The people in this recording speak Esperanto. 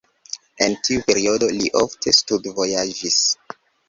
En tiu periodo li ofte studvojaĝis.